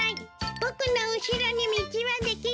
僕の後ろに道はできる。